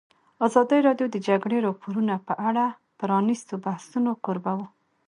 ازادي راډیو د د جګړې راپورونه په اړه د پرانیستو بحثونو کوربه وه.